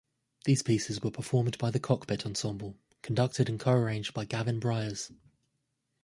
These pieces were performed by the Cockpit Ensemble, conducted and co-arranged by Gavin Bryars.